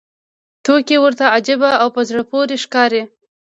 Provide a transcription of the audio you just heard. توکي ورته عجیبه او په زړه پورې ښکاري